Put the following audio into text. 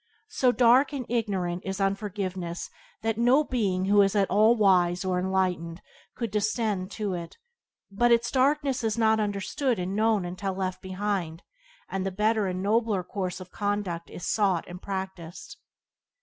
So dark and ignorant is unforgiveness that no being who is at all wise or enlightened could descend to it; but its darkness is not understood and known until it is left behind, and the better and nobler course of conduct is sought and practiced.